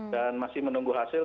dan masih menunggu hasil